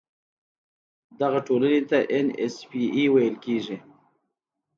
دغه ټولنې ته ان ایس پي اي ویل کیږي.